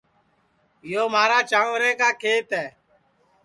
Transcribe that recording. یو مھارا چانٚورے کا کھیت ہے